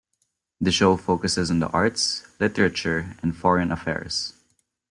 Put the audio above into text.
The show focuses on the arts, literature, and foreign affairs.